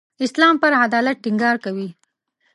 اسلام پر عدالت ټینګار کوي.